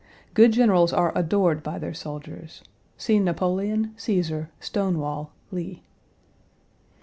Good generals are adored by their soldiers. See Napoleon, Cæsar, Stonewall, Lee.